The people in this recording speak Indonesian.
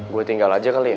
gue tinggal aja kali ya